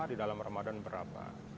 di dalam ramadan berapa